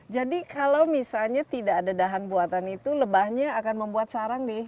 jadi kalau misalnya tidak ada dahan buatan itu lebahnya akan membuat sarang di